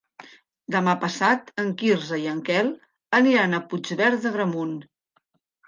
Demà passat en Quirze i en Quel aniran a Puigverd d'Agramunt.